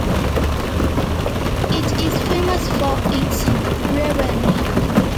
It is famous for its brewery.